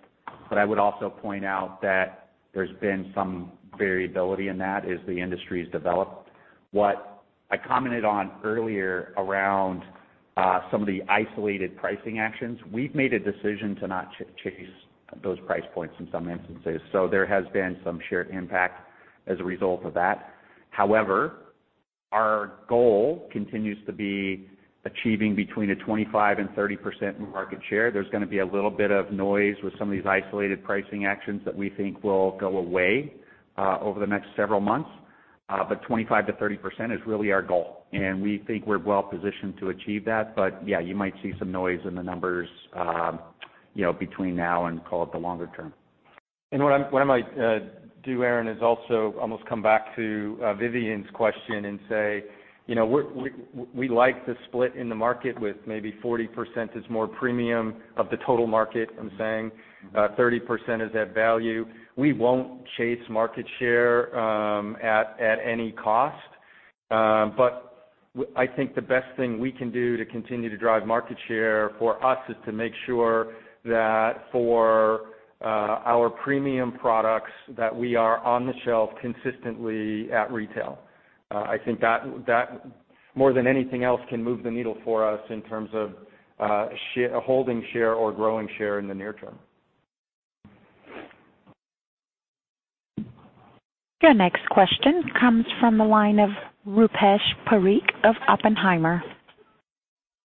but I would also point out that there's been some variability in that as the industry's developed. What I commented on earlier around some of the isolated pricing actions, we've made a decision to not chase those price points in some instances. There has been some shared impact as a result of that. However, our goal continues to be achieving between a 25% and 30% market share. There's going to be a little bit of noise with some of these isolated pricing actions that we think will go away over the next several months. 25%-30% is really our goal, and we think we're well-positioned to achieve that. Yeah, you might see some noise in the numbers between now and call it the longer term. What I might do, Aaron, is also almost come back to Vivien's question and say, we like the split in the market with maybe 40% is more premium of the total market, I am saying 30% is at value. We won't chase market share at any cost. I think the best thing we can do to continue to drive market share for us is to make sure that for our premium products, that we are on the shelf consistently at retail. I think that more than anything else, can move the needle for us in terms of holding share or growing share in the near term. Your next question comes from the line of Rupesh Parikh of Oppenheimer.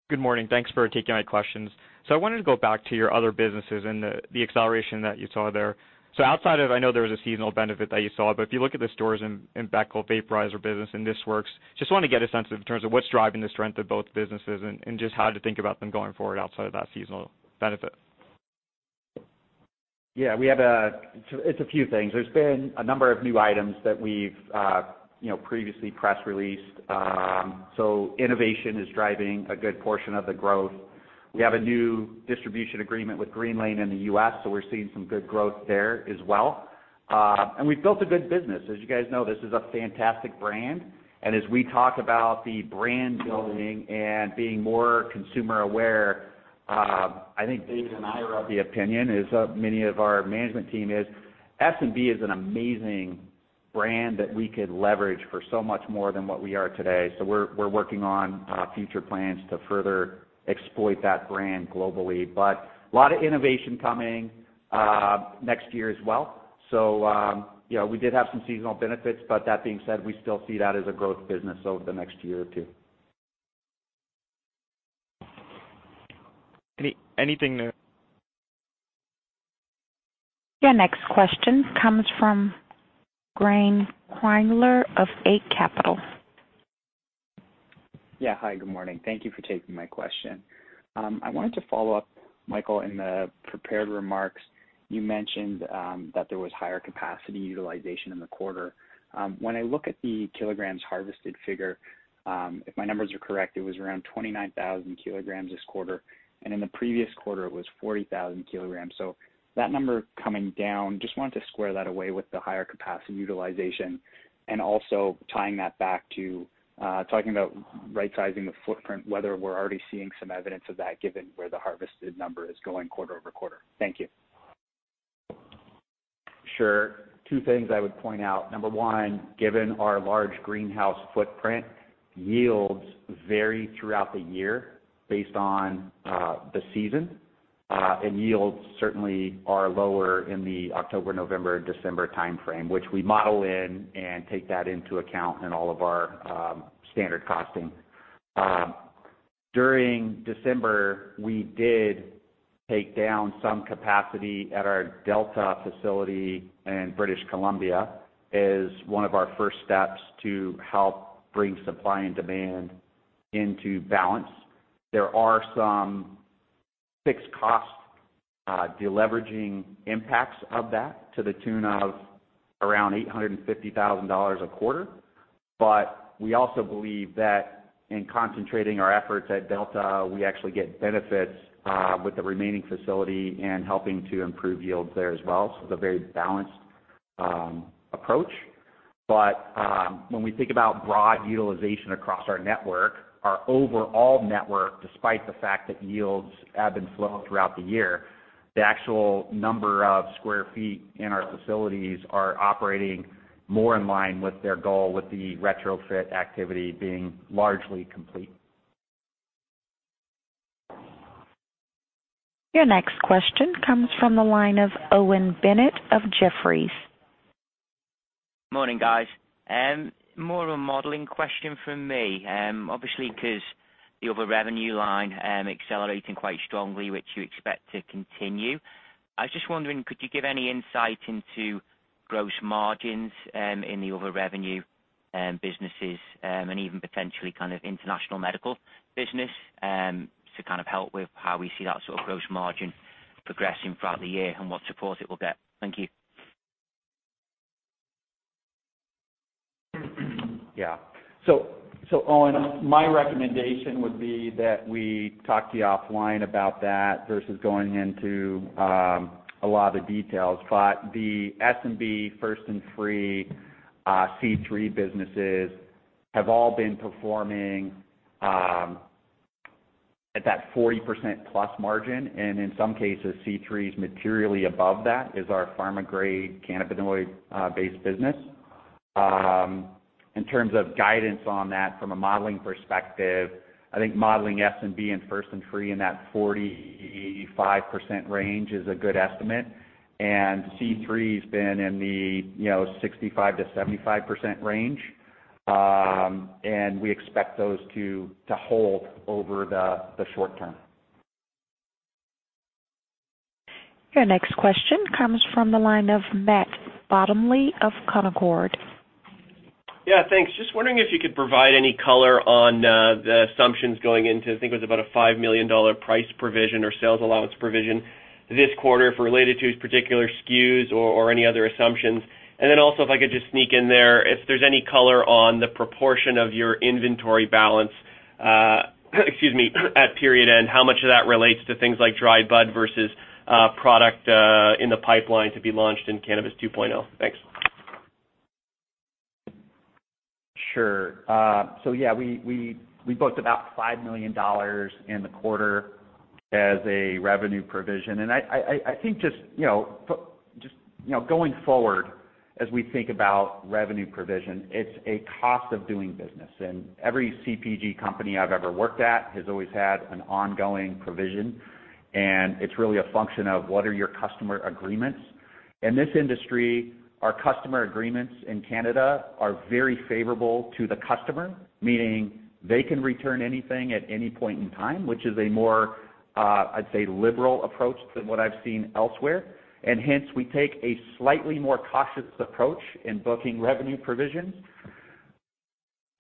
Good morning. Thanks for taking my questions. I wanted to go back to your other businesses and the acceleration that you saw there. Outside of, I know there was a seasonal benefit that you saw, but if you look at the Storz & Bickel vaporizer business and This Works, just want to get a sense of in terms of what's driving the strength of both businesses and just how to think about them going forward outside of that seasonal benefit. Yeah. It's a few things. There's been a number of new items that we've previously press released. Innovation is driving a good portion of the growth. We have a new distribution agreement with Greenlane in the U.S., so we're seeing some good growth there as well. We've built a good business. As you guys know, this is a fantastic brand, and as we talk about the brand building and being more consumer aware. I think David and I are of the opinion, as many of our management team is, S&B is an amazing brand that we could leverage for so much more than what we are today. We're working on future plans to further exploit that brand globally. A lot of innovation coming next year as well. We did have some seasonal benefits, but that being said, we still see that as a growth business over the next year or two. Anything there? Your next question comes from Graeme Kreindler of Eight Capital. Yeah. Hi, good morning. Thank you for taking my question. I wanted to follow up, Mike, in the prepared remarks, you mentioned that there was higher capacity utilization in the quarter. When I look at the kg harvested figure, if my numbers are correct, it was around 29,000 kg this quarter, and in the previous quarter it was 40,000 kg. That number coming down, just wanted to square that away with the higher capacity utilization and also tying that back to talking about right-sizing the footprint, whether we're already seeing some evidence of that given where the harvested number is going quarter-over-quarter. Thank you. Sure. Two things I would point out. Number one, given our large greenhouse footprint, yields vary throughout the year based on the season. Yields certainly are lower in the October, November, December timeframe, which we model in and take that into account in all of our standard costing. During December, we did take down some capacity at our Delta facility in British Columbia as one of our first steps to help bring supply and demand into balance. There are some fixed cost de-leveraging impacts of that to the tune of around 850,000 dollars a quarter. We also believe that in concentrating our efforts at Delta, we actually get benefits with the remaining facility and helping to improve yields there as well. It's a very balanced approach. When we think about broad utilization across our network, our overall network, despite the fact that yields ebb and flow throughout the year, the actual number of square feet in our facilities are operating more in line with their goal, with the retrofit activity being largely complete. Your next question comes from the line of Owen Bennett of Jefferies. Morning, guys. More of a modeling question from me. Obviously, because the other revenue line accelerating quite strongly, which you expect to continue, I was just wondering, could you give any insight into gross margins in the other revenue businesses and even potentially kind of international medical business, to kind of help with how we see that sort of gross margin progressing throughout the year and what support it will get? Thank you. Owen, my recommendation would be that we talk to you offline about that versus going into a lot of details. The S&B, First & Free, C3 businesses have all been performing at that 40% plus margin, and in some cases, C3 is materially above that, is our pharma-grade cannabinoid-based business. In terms of guidance on that from a modeling perspective, I think modeling S&B and First & Free in that 45% range is a good estimate. C3 has been in the 65%-75% range. We expect those to hold over the short term. Your next question comes from the line of Matt Bottomley of Canaccord Genuity. Yeah, thanks. Just wondering if you could provide any color on the assumptions going into, I think it was about a 5 million dollar price provision or sales allowance provision this quarter if related to particular SKUs or any other assumptions. Also, if I could just sneak in there, if there's any color on the proportion of your inventory balance, at period end, how much of that relates to things like dry bud versus product in the pipeline to be launched in Cannabis 2.0? Thanks. Sure. Yeah, we booked about 5 million dollars in the quarter as a revenue provision. I think just going forward, as we think about revenue provision, it's a cost of doing business, and every CPG company I've ever worked at has always had an ongoing provision, and it's really a function of what are your customer agreements. In this industry, our customer agreements in Canada are very favorable to the customer, meaning they can return anything at any point in time, which is a more, I'd say, liberal approach than what I've seen elsewhere. Hence, we take a slightly more cautious approach in booking revenue provisions.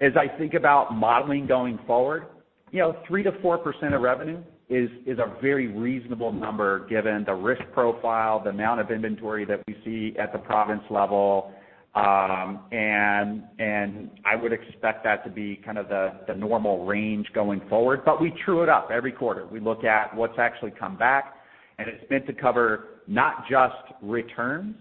As I think about modeling going forward, 3%-4% of revenue is a very reasonable number given the risk profile, the amount of inventory that we see at the province level, I would expect that to be kind of the normal range going forward. We true it up every quarter. We look at what's actually come back, it's meant to cover not just returns,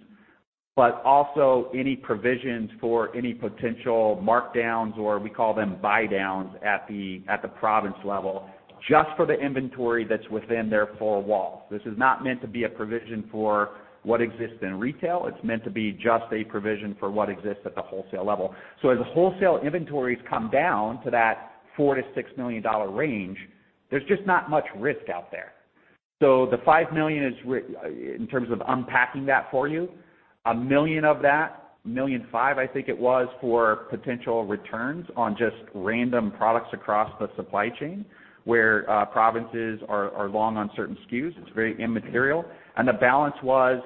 but also any provisions for any potential markdowns, or we call them buy-downs at the province level, just for the inventory that's within their four walls. This is not meant to be a provision for what exists in retail. It's meant to be just a provision for what exists at the wholesale level. As wholesale inventories come down to that 4 million-6 million dollar range, there's just not much risk out there. The 5 million is, in terms of unpacking that for you, 1.5 million, I think it was for potential returns on just random products across the supply chain, where provinces are long on certain SKUs. It's very immaterial. The balance was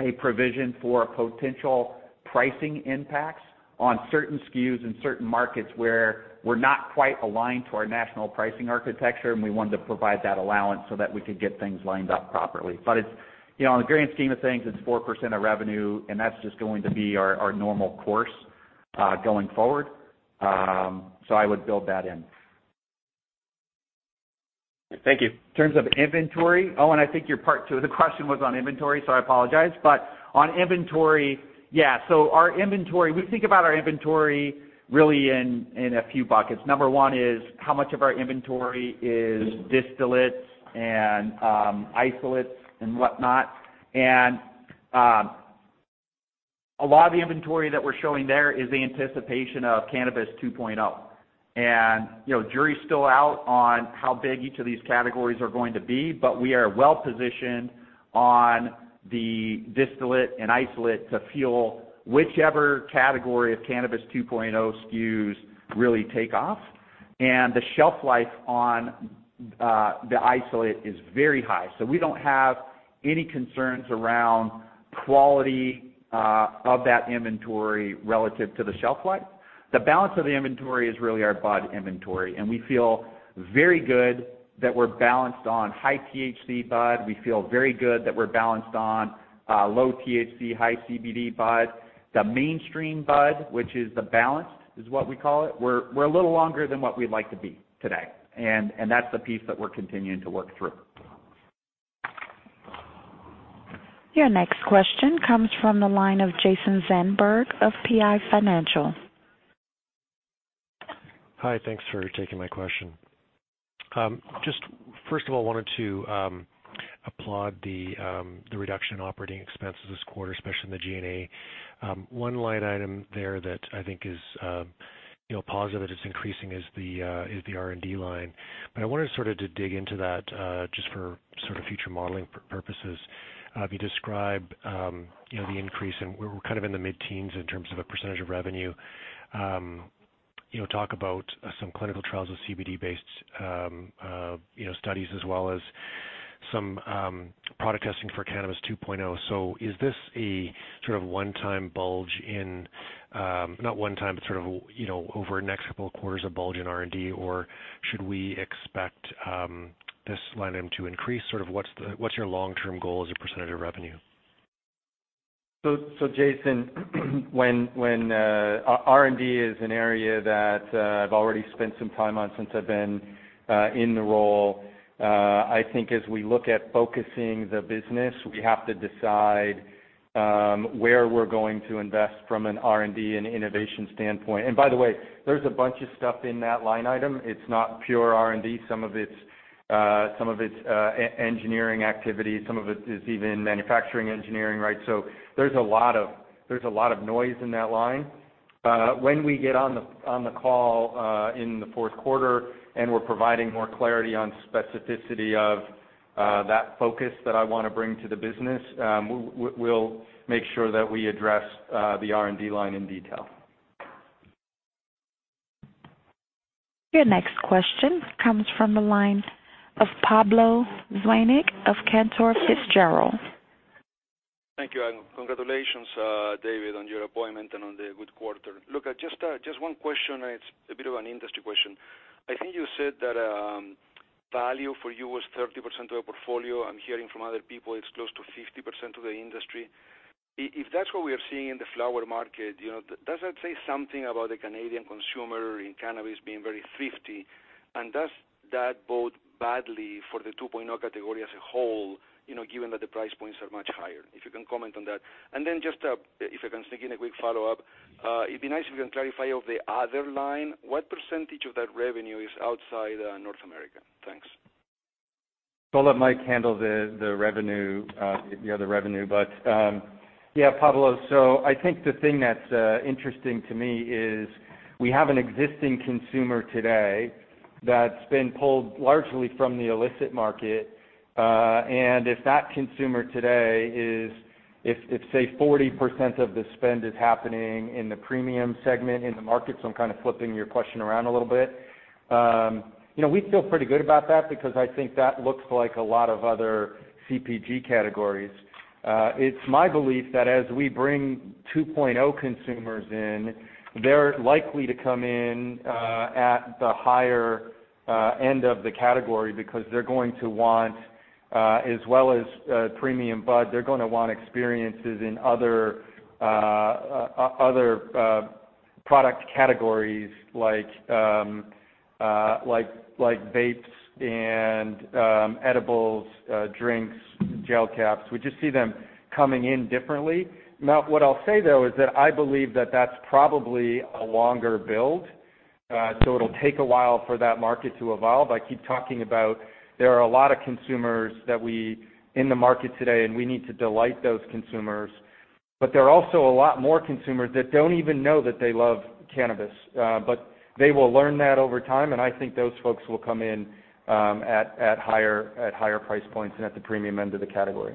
a provision for potential pricing impacts on certain SKUs in certain markets where we're not quite aligned to our national pricing architecture, and we wanted to provide that allowance so that we could get things lined up properly. In the grand scheme of things, it's 4% of revenue, and that's just going to be our normal course, going forward. I would build that in. Thank you. In terms of inventory, I think your part two of the question was on inventory. I apologize. On inventory. Our inventory, we think about our inventory really in a few buckets. Number one is how much of our inventory is distillates and isolates and whatnot. A lot of the inventory that we're showing there is the anticipation of Cannabis 2.0. Jury's still out on how big each of these categories are going to be, but we are well-positioned on the distillate and isolate to fuel whichever category of Cannabis 2.0 SKUs really take off. The shelf life on the isolate is very high. We don't have any concerns around quality of that inventory relative to the shelf life. The balance of the inventory is really our bud inventory, and we feel very good that we're balanced on high-THC bud. We feel very good that we're balanced on low-THC, high-CBD bud. The mainstream bud, which is the balance, is what we call it. We're a little longer than what we'd like to be today, and that's the piece that we're continuing to work through. Your next question comes from the line of Jason Zandberg of PI Financial. Hi. Thanks for taking my question. Just first of all, wanted to applaud the reduction in operating expenses this quarter, especially in the G&A. One line item there that I think is positive that it's increasing is the R&D line. I wanted sort of to dig into that, just for sort of future modeling purposes. If you describe the increase in, we're kind of in the mid-teens in terms of a % of revenue. Talk about some clinical trials with CBD-based studies as well as some product testing for Cannabis 2.0. Is this a sort of one-time bulge in, not one time, but sort of over the next couple of quarters, a bulge in R&D, or should we expect this line item to increase? Sort of what's your long-term goal as a % of revenue? Jason, R&D is an area that I've already spent some time on since I've been in the role. I think as we look at focusing the business, we have to decide where we're going to invest from an R&D and innovation standpoint. By the way, there's a bunch of stuff in that line item. It's not pure R&D. Some of it's engineering activity. Some of it is even manufacturing engineering. There's a lot of noise in that line. When we get on the call in the fourth quarter and we're providing more clarity on specificity of that focus that I want to bring to the business, we'll make sure that we address the R&D line in detail. Your next question comes from the line of Pablo Zuanic of Cantor Fitzgerald. Thank you, congratulations, David, on your appointment and on the good quarter. Look, just one question. It's a bit of an industry question. I think you said that value for you was 30% of the portfolio. I'm hearing from other people it's close to 50% of the industry. If that's what we are seeing in the flower market, does that say something about the Canadian consumer in Cannabis being very thrifty? Does that bode badly for the Cannabis 2.0 category as a whole, given that the price points are much higher? If you can comment on that. Just, if I can sneak in a quick follow-up, it'd be nice if you can clarify of the other line, what percentage of that revenue is outside North America? Thanks. I'll let Mike handle the revenue. Pablo, I think the thing that's interesting to me is we have an existing consumer today that's been pulled largely from the illicit market. If that consumer today is, say, 40% of the spend is happening in the premium segment in the market. I'm kind of flipping your question around a little bit. We feel pretty good about that because I think that looks like a lot of other CPG categories. It's my belief that as we bring 2.0 consumers in, they're likely to come in at the higher end of the category because they're going to want, as well as premium bud, they're going to want experiences in other product categories like vapes and edibles, drinks, gel caps. We just see them coming in differently. What I'll say, though, is that I believe that that's probably a longer build, so it'll take a while for that market to evolve. I keep talking about there are a lot of consumers in the market today, and we need to delight those consumers. There are also a lot more consumers that don't even know that they love cannabis. They will learn that over time, and I think those folks will come in at higher price points and at the premium end of the category.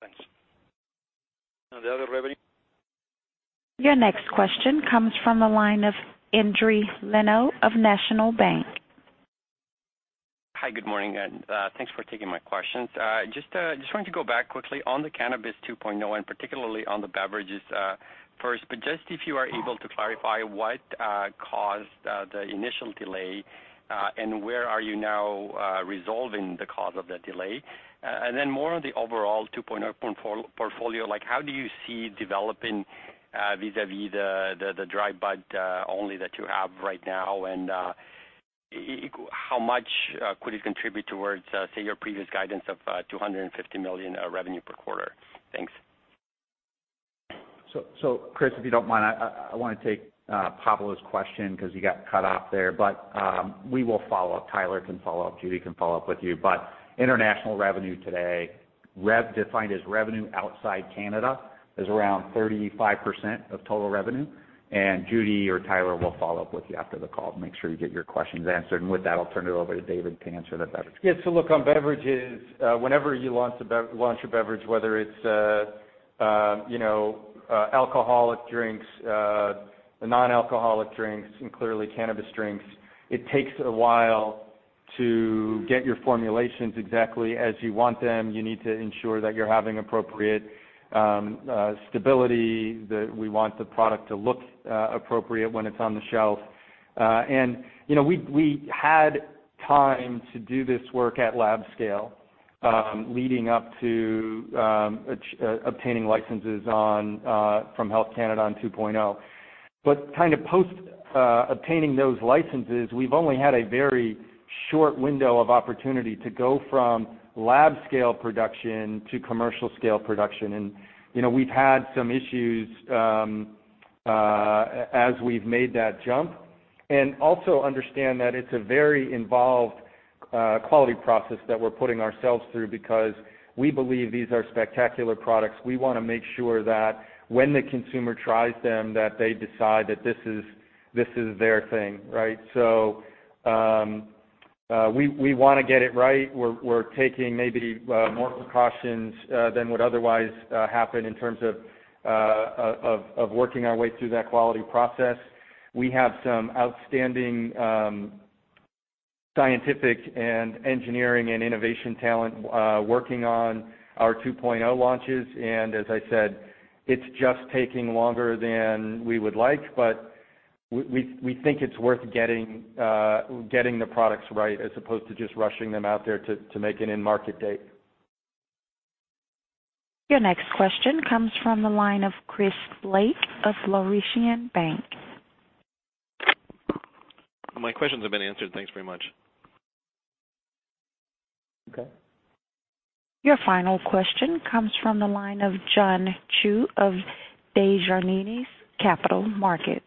Thanks. The other revenue? Your next question comes from the line of Endri Leno of National Bank. Hi, good morning, and thanks for taking my questions. Just wanted to go back quickly on the Cannabis 2.0 and particularly on the beverages first. Just if you are able to clarify what caused the initial delay, and where are you now resolving the cause of that delay? Then more on the overall 2.0 portfolio, how do you see developing vis-a-vis the dry bud only that you have right now, and how much could it contribute towards, say, your previous guidance of 250 million revenue per quarter? Thanks. Chris, if you don't mind, I want to take Pablo's question because you got cut off there. We will follow up. Tyler can follow up. Judy can follow up with you. International revenue today, defined as revenue outside Canada, is around 35% of total revenue. Judy or Tyler will follow up with you after the call to make sure you get your questions answered. With that, I'll turn it over to David to answer the beverage. Yeah. Look, on beverages, whenever you launch a beverage, whether it's alcoholic drinks, non-alcoholic drinks, and clearly cannabis drinks, it takes a while to get your formulations exactly as you want them. You need to ensure that you're having appropriate stability, that we want the product to look appropriate when it's on the shelf. We had time to do this work at lab scale, leading up to obtaining licenses from Health Canada on 2.0. Kind of post obtaining those licenses, we've only had a very short window of opportunity to go from lab scale production to commercial scale production. We've had some issues as we've made that jump. Also understand that it's a very involved quality process that we're putting ourselves through because we believe these are spectacular products. We want to make sure that when the consumer tries them, that they decide that this is their thing. We want to get it right. We're taking maybe more precautions than would otherwise happen in terms of working our way through that quality process. We have some outstanding scientific and engineering and innovation talent working on our 2.0 launches. As I said, it's just taking longer than we would like, but we think it's worth getting the products right as opposed to just rushing them out there to make an in-market date. Your next question comes from the line of Chris Blake of Laurentian Bank. My questions have been answered. Thanks very much. Okay. Your final question comes from the line of John Chu of Desjardins Capital Markets.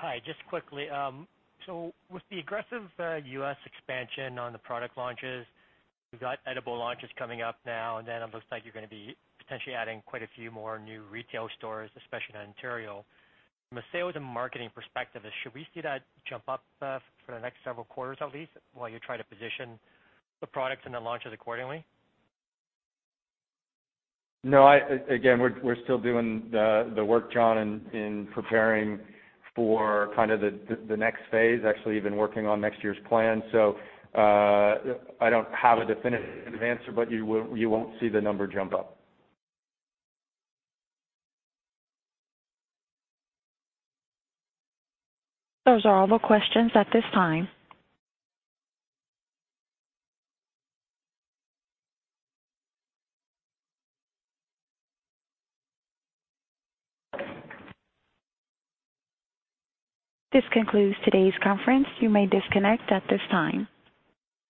Hi. Just quickly, with the aggressive U.S. expansion on the product launches, you've got edible launches coming up now, and then it looks like you're going to be potentially adding quite a few more new retail stores, especially in Ontario. From a sales and marketing perspective, should we see that jump up for the next several quarters, at least, while you try to position the products and the launches accordingly? No. Again, we're still doing the work, John, in preparing for kind of the next phase, actually even working on next year's plan. I don't have a definitive answer, but you won't see the number jump up. Those are all the questions at this time. This concludes today's conference. You may disconnect at this time.